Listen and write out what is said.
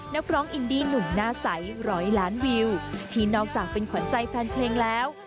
นักร้องอินดี้หนุ่มหน้าใสร้อยล้านวิวที่นอกจากเป็นขวัญใจแฟนเพลงแล้ว